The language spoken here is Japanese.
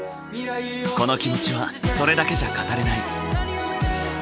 この気持ちはそれだけじゃ語れない。